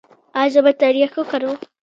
ایا زه باید تریاک وکاروم؟